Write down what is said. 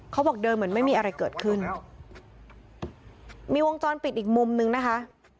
เขาบอกเดินเหมือนไม่มีอะไรเกิดขึ้นมีวงจรปิดอีกมุมนึงนะคะ